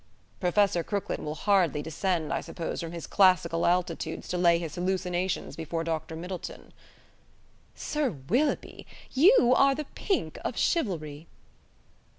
"Professor Crooklyn will hardly descend, I suppose, from his classical altitudes to lay his hallucinations before Dr. Middleton?" "Sir Willoughby, you are the pink of chivalry!"